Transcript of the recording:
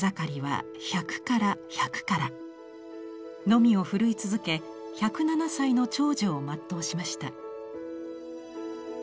のみを振るい続け１０７歳の長寿を全うしました。